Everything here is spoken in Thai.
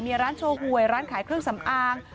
มีร้านโชว์หวยร้านขายเครื่องสำอาง